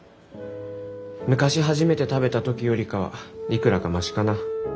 昔初めて食べた時よりかはいくらかマシかな。